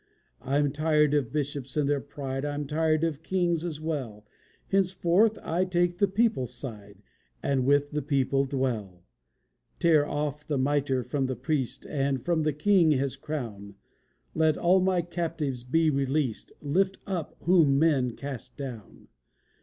I'm tired of bishops and their pride, I'm tired of kings as well; Henceforth I take the people's side, And with the people dwell. Tear off the mitre from the priest, And from the king, his crown; Let all my captives be released; Lift up, whom men cast down.